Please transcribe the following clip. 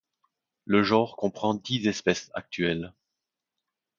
Le genre comprend dix espèces actuelles.